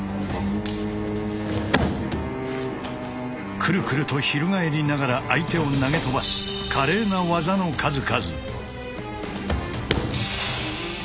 クルクルと翻りながら相手を投げ飛ばす華麗な技の数々。